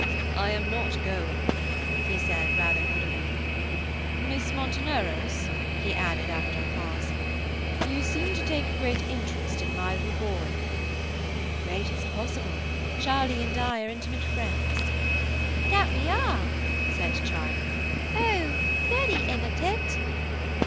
"I am not going," he said, rather moodily. "Miss Monteneros," he added after a pause, "you seem to take great interest in my little boy." "The greatest possible; Charlie and I are intimate friends." " Dat we are," said Charlie, "oh, veddy imitate."